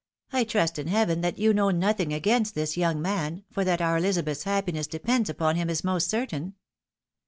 " I trust in heaven that you know nothing against this young man, for that our Eliza beth's happiness depends upon him is most certain."